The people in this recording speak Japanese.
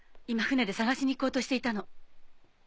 今船で捜しに行こうとしていたの。